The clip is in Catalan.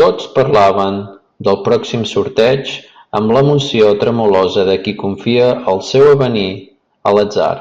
Tots parlaven del pròxim sorteig amb l'emoció tremolosa de qui confia el seu avenir a l'atzar.